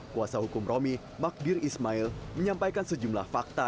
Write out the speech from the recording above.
kuasa hukum romi magdir ismail menyampaikan sejumlah fakta